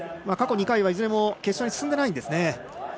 過去２回はいずれも決勝に進んでいないんですね。